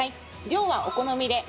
量はお好みで。